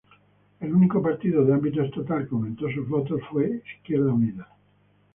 El único partido de ámbito estatal que aumentó sus votos fue Izquierda Unida.